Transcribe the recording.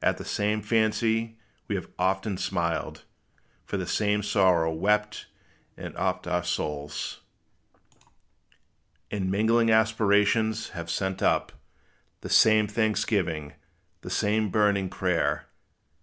At the same fancy we have often smiled, For the same sorrow wept; and oft our souls, In mingling aspirations, have sent up The same thanksgiving, the same burning prayer.